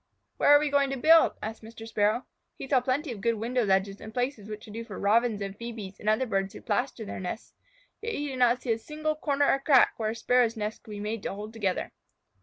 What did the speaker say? "Where are we going to build?" asked Mr. Sparrow. He saw plenty of good window ledges and places which would do for Robins and Phœbes and other birds who plaster their nests. Yet he did not see a single corner or big crack where a Sparrow's nest could be made to hold together.